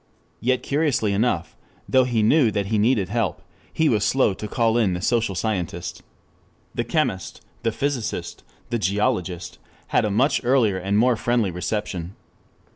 3 Yet curiously enough, though he knew that he needed help, he was slow to call in the social scientist. The chemist, the physicist, the geologist, had a much earlier and more friendly reception.